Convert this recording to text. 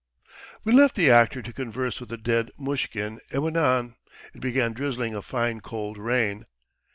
We left the actor to converse with the dead Mushkin and went on. It began drizzling a fine cold rain.